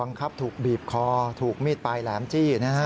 มันบอกปรากฏปะอย่างไร